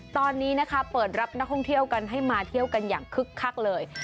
ตอนนี้นะคะเปิดรับนักท่องเที่ยวกันให้มาเที่ยวกันอย่างคึกคักเลย